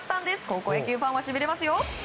高校野球ファンはしびれますよ。